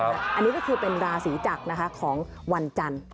อันนี้ก็คือเป็นราศีจักรนะคะของวันจันทร์